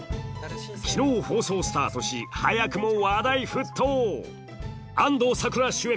昨日放送スタートし早くも話題沸騰安藤サクラ主演